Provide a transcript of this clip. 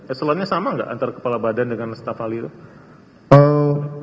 eselonnya sama nggak antara kepala badan dengan staf hal itu